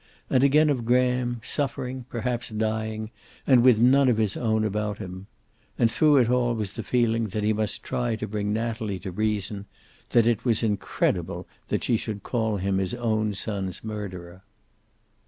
And again of Graham, suffering, perhaps dying, and with none of his own about him. And through it all was the feeling that he must try to bring Natalie to reason, that it was incredible that she should call him his own son's murderer.